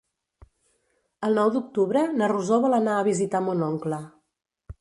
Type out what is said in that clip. El nou d'octubre na Rosó vol anar a visitar mon oncle.